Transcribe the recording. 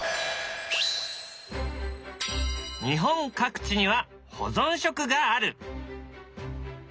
日本各地には保存食がある。